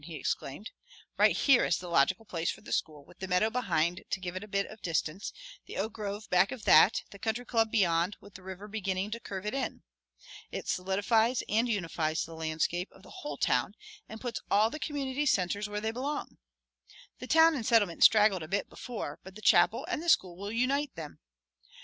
he exclaimed. "Right here is the logical place for the school with the meadow behind it to give a bit of distance, the oak grove back of that, the Country Club beyond, with the river beginning to curve it in. It solidifies and unifies the landscape of the whole town and puts all the community centers where they belong. The Town and Settlement straggled a bit before, but the chapel and the school will unite them!